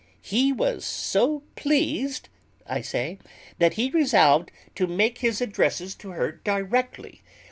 He was so pleased, I say, that he resolved to make his addresses to her directly.